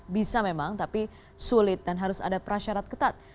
bisa memang tapi sulit dan harus ada prasyarat ketat